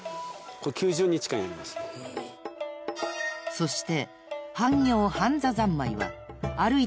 ［そして］